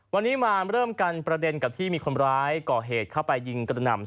วันนี้มาเริ่มกันประเด็นกับที่มีคนร้ายก่อเหตุเข้าไปยิงกระหน่ำ